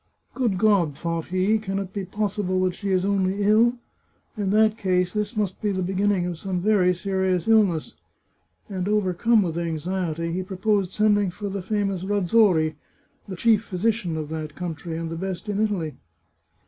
" Good God !" thought he, " can it be possible that she is only ill ? In that case this must be the beginning of some very serious illness." And, overcome with anxiety, he pro posed sending for the famous Razori, the chief physician of that country, and the best in Italy.